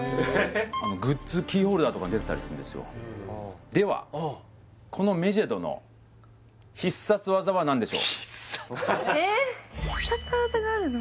グッズキーホルダーとか出てたりするんですよではこの必殺技ええ必殺技があるの？